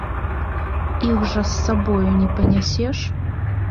Іх жа з сабою не панясеш.